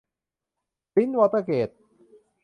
ปรินซ์วอเตอร์เกท